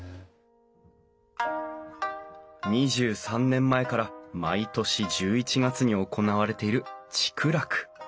２３年前から毎年１１月に行われている竹楽。